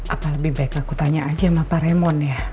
apalagi baik aku tanya aja sama pak raymond ya